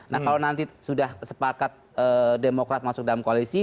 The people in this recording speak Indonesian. nah kalau nanti sudah sepakat demokrat masuk dalam koalisi